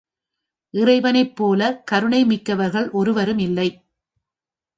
இறைவனைப் போலக் கருணை மிக்கவர்கள் ஒருவரும் இல்லை.